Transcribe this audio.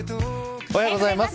おはようございます。